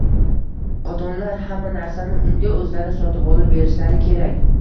ota-onalar hamma narsani unga o‘zlari sotib olib berishlari kerak;